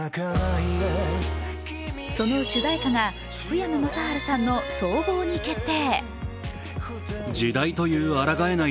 その主題歌が福山雅治さんの「想望」に決定。